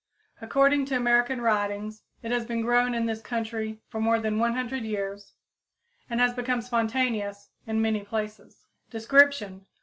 According to American writings, it has been grown in this country for more than 100 years and has become spontaneous in many places. _Description.